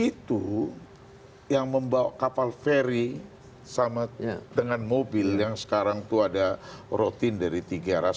di situ yang membawa kapal ferry sama dengan mobil yang sekarang itu ada rotin dari tiggeras